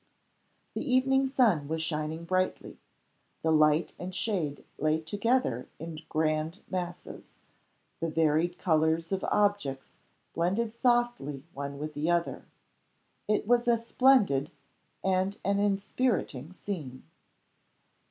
The evening sun was shining brightly, the light and shade lay together in grand masses, the varied colors of objects blended softly one with the other. It was a splendid and an inspiriting scene.